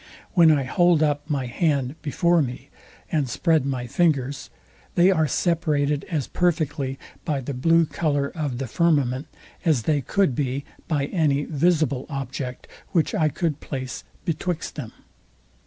When I hold up my hand before me, and spread my fingers, they are separated as perfectly by the blue colour of the firmament, as they could be by any visible object, which I could place betwixt them.